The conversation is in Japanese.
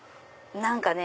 何かね